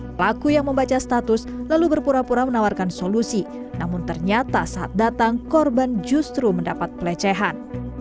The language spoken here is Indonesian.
pelaku yang membaca status lalu berpura pura menawarkan solusi namun ternyata saat datang korban justru mendapat pelecehan